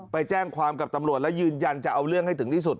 ไปแจ้งความกับตำรวจและยืนยันจะเอาเรื่องให้ถึงที่สุด